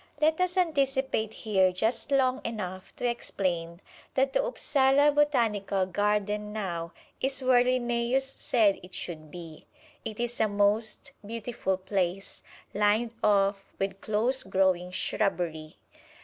Let us anticipate here just long enough to explain that the Upsala Botanical Garden now is where Linnæus said it should be. It is a most beautiful place, lined off with close growing shrubbery.